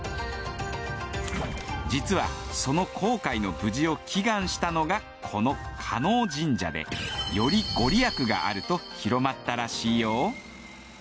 実はその航海の無事を祈願したのがこの叶神社でよりご利益があると広まったらしいよ。